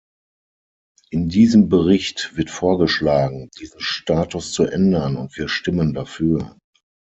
In diesem Bericht wird vorgeschlagen, diesen Status zu ändern, und wir stimmen dafür.